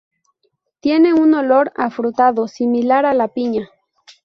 Tiene un olor afrutado, similar a la piña.